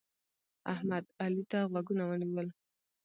احمد؛ علي ته غوږونه ونیول.